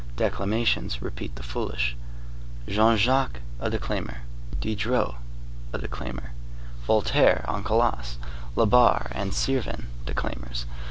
Declamations, repeat the foolish. Jean Jacques a declaimer; Diderot a declaimer; Voltaire on Calas, Labarre, and Sirven, declaimers.